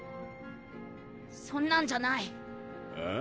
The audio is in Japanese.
そんなんじゃないあぁ？